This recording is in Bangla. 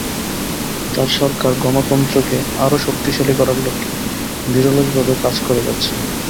তাঁর সরকার গণতন্ত্রকে আরও শক্তিশালী করার লক্ষ্যে নিরলসভাবে কাজ করে যাচ্ছে।